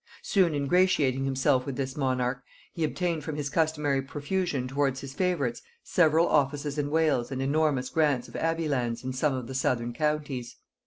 Soon ingratiating himself with this monarch, he obtained from his customary profusion towards his favorites, several offices in Wales and enormous grants of abbey lands in some of the southern counties.